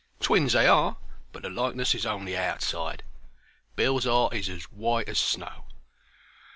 Twins they are, but the likeness is only outside; Bill's 'art is as white as snow."